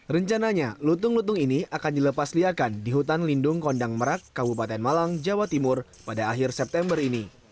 rencananya lutung lutung ini akan dilepasliarkan di hutan lindung kondang merak kabupaten malang jawa timur pada akhir september ini